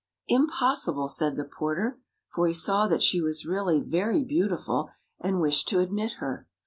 "Impossible! " said the porter. For he saw that she was really very beautiful, and wished to admit her.